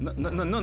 何？